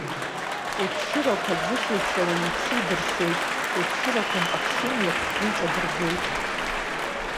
Ушәшьырақәа, аӡыхь еиԥш, ауаҩ иԥсы идыршьоит, ушәшьырақәа мпахьшьыми, аԥхӡы иҿадырбоит…